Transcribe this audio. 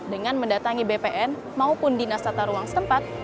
dengan mendatangi bpn maupun dinas tata ruang setempat